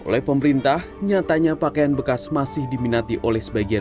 dari celana kemeja hingga kaos masih diperjualbelikan